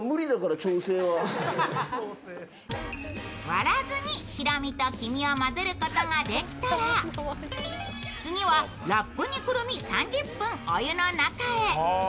割らずに白身と黄身を混ぜることができたら次はラップにくるみ３０分、お湯の中へ。